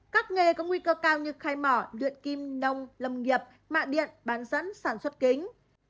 các nghề có nguy cơ cao như khai mỏ luyện kim nông lâm nghiệp mạ điện bán dẫn sản xuất kính